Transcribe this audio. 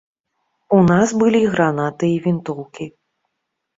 У нас былі гранаты і вінтоўкі.